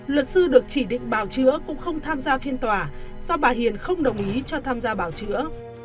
luật sư được chỉ định bào chữa cũng không tham gia phiên tòa do bà hiền không đồng ý cho tham gia bào chữa